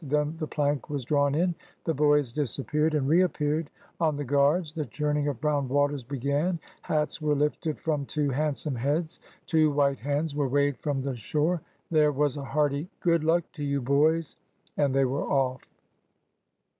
Then the plank was drawn in, the boys disappeared and reappeared on the guards, the churning of brown waters began, hats were lifted from two handsome heads, two white hands were waved from the shore, there was a hearty " Good luck to you, boys ! ''—and they were off.